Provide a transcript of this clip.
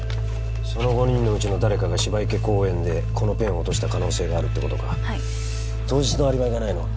その５人のうちの誰かが芝池公園でこのペンを落とした可能性があるってことかはい当日のアリバイがないのは？